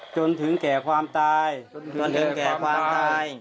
จนถึงแก่ความตายจนถึงแก่ความตาย